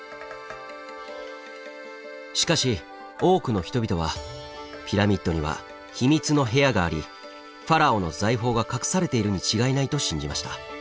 しかし多くの人々はピラミッドには秘密の部屋がありファラオの財宝が隠されているに違いないと信じました。